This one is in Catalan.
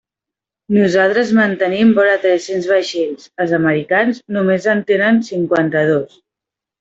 Nosaltres mantenim vora tres-cents vaixells; els americans només en tenen cinquanta-dos.